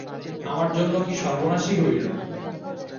আমার জন্য কি সর্বনাশই হইল!